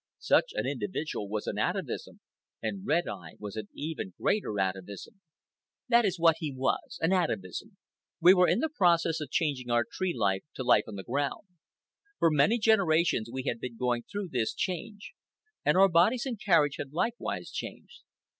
Such an individual was an atavism, and Red Eye was an even greater atavism. That is what he was—an atavism. We were in the process of changing our tree life to life on the ground. For many generations we had been going through this change, and our bodies and carriage had likewise changed.